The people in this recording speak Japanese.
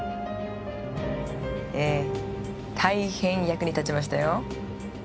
ええ大変役に立ちましたよ。